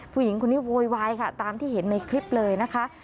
ผู้หญิงคนนี้โวยวายค่ะตามที่เห็นในคลิปเลยนะคะ